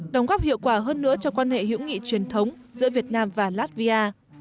đóng góp hiệu quả hơn nữa cho quan hệ hữu nghị truyền thống giữa việt nam và latvia